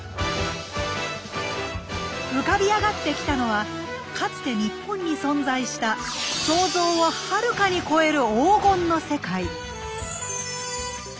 浮かび上がってきたのはかつて日本に存在した想像をはるかに超える黄金の世界。